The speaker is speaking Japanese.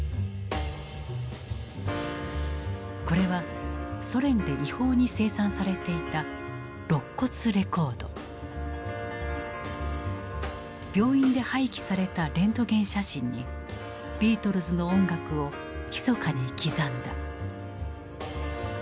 これはソ連で違法に生産されていた病院で廃棄されたレントゲン写真にビートルズの音楽をひそかに刻んだ。